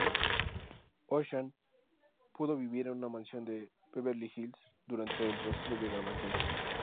Ocean pudo vivir en una mansión de Beverly Hills durante el proceso de grabación.